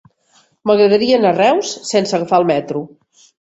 M'agradaria anar a Reus sense agafar el metro.